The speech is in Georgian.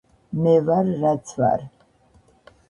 მე ვარ რაც ვარ